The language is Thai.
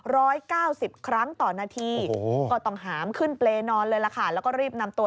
ร้อยเก้าสิบครั้งต่อนาทีโอ้โหก็ต้องหามขึ้นเปรย์นอนเลยล่ะค่ะแล้วก็รีบนำตัว